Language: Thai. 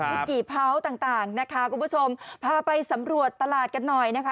กี่เผาต่างต่างนะคะคุณผู้ชมพาไปสำรวจตลาดกันหน่อยนะคะ